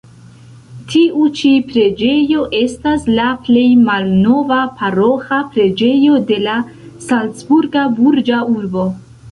Tiu ĉi preĝejo estas la plej malnova paroĥa preĝejo de la salcburga burĝa urbo.